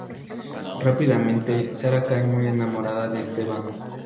Rápidamente Sara cae muy enamorada de Esteban.